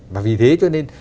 và vì thế cho nên